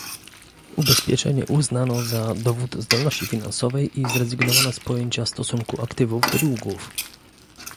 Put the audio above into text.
Ubezpieczenie uznano za dowód zdolności finansowej i zrezygnowano z pojęcia stosunku aktywów do długów